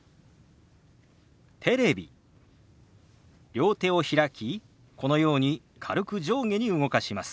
両手を開きこのように軽く上下に動かします。